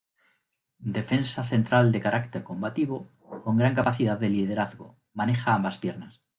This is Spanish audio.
Defensa central de carácter combativo con gran capacidad de Liderazgo, maneja ambas piernas.